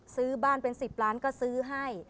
ซื้อบ้านเป็น๑๐ล้านก็ซื้อให้